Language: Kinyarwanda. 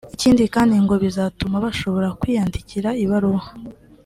ikindi kandi ngo bizatuma bashobora kwiyandikira ibaruwa